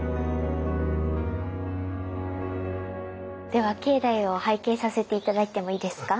では境内を拝見させて頂いてもいいですか？